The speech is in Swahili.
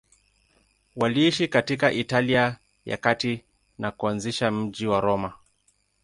Waliishi katika Italia ya Kati na kuanzisha mji wa Roma.